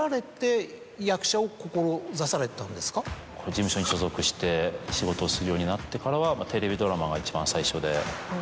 事務所に所属して仕事をするようになってからはテレビドラマが一番最初で。